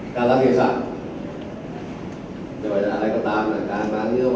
ตามไรก็ตามพูดอ่ะคือทำอะไรก็ตามที่เป็นคำให้คนเขาเอง